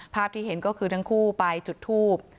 ภาพที่เห็นก็คือทั้งคู่ไปจุดทูบ